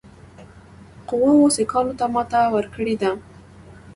قواوو سیکهانو ته ماته ورکړې ده.